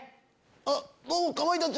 どうも「かまいたち」